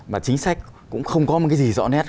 và chính sách cũng không có một cái gì rõ nét